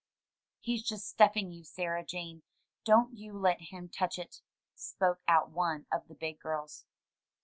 ''He's just stuffing you, Sarah Jane; don't you let him touch it," spoke out one of the big girls.